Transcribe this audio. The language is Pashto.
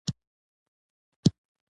سست انسان له فرصتونو بې برخې کېږي.